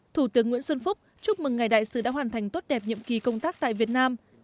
thủ tướng nguyễn xuân phúc chúc mừng ngài đại sứ đã hoàn thành tốt đẹp nhiệm kỳ công tác tại việt nam